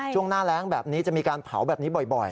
ช่วงหน้าแรงแบบนี้จะมีการเผาแบบนี้บ่อย